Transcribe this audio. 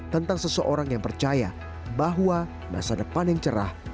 tentang seseorang yang percaya bahwa masa depan yang cerah